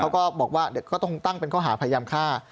เขาก็ต้องตั้งเป็นข้อหาพยายามฆ่า